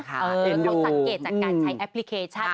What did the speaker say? คือเขาสังเกตจากการใช้แอปพลิเคชัน